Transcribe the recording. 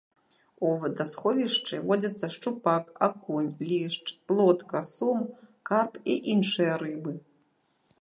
У вадасховішчы водзяцца шчупак, акунь, лешч, плотка, сом, карп і іншыя рыбы.